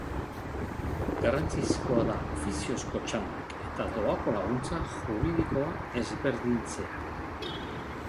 Garrantzizkoa da ofiziozko txandak eta doako laguntza juridikoa ezberdintzea.